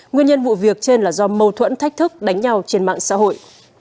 nguyên nhân vụ việc trên là do mâu thuẫn thách thức đánh nhau trên mạng xã hội